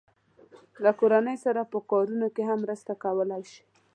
له کورنۍ سره په کارونو کې هم مرسته کولای شي.